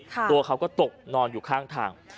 ตัวเขาก็ตกนอนอยู่ข้างทาง